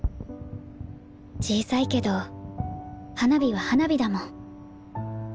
小さいけど花火は花火だもん。